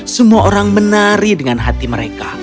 semua orang menari dengan hati mereka